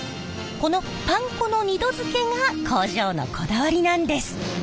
このパン粉の２度づけが工場のこだわりなんです！